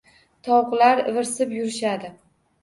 Tovuqlar ivirsib yurishadi